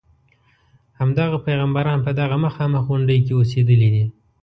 همدغه پیغمبران په دغه مخامخ غونډې کې اوسېدلي دي.